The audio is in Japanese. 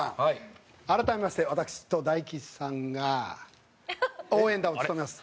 改めまして私と大吉さんが応援団を務めます